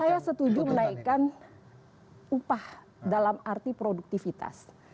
jadi saya setuju menaikkan upah dalam arti produktivitas